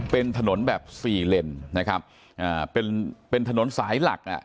เป็นถนนแบบสี่เลนนะครับอ่าเป็นเป็นถนนสายหลักอ่ะ